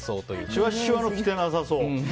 シワシワの着てなさそう。